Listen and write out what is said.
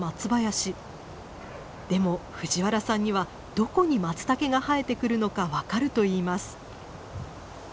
でも藤原さんにはどこにマツタケが生えてくるのか分かるといいます。